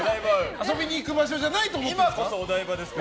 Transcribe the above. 遊びに行く場所じゃないって思っているんですか。